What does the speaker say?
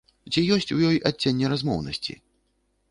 Ці ёсць у ёй адценне размоўнасці?